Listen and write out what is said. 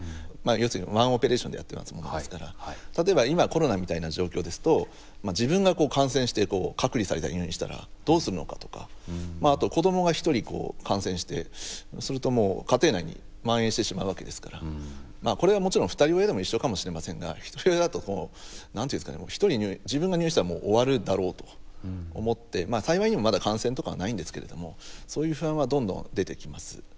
要するにワンオペレーションでやってますものですから例えば今コロナみたいな状況ですと自分がこう感染してこう隔離されたり入院したらどうするのかとかまああと子どもが一人こう感染してするともう家庭内にまん延してしまうわけですからまあこれはもちろんふたり親でも一緒かもしれませんがひとり親だともう何ていうんですかね一人入院自分が入院したらもう終わるだろうと思ってまあ幸いにもまだ感染とかはないんですけれどもそういう不安はどんどん出てきます。